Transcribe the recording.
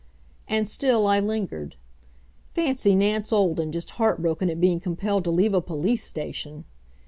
And still I lingered. Fancy Nance Olden just heartbroken at being compelled to leave a police station!